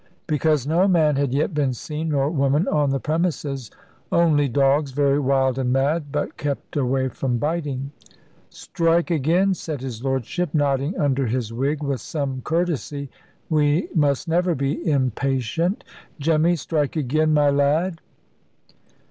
Because no man had yet been seen, nor woman on the premises; only dogs very wild and mad, but kept away from biting. "Strike again," said his lordship, nodding under his wig, with some courtesy; "we must never be impatient. Jemmy, strike again, my lad."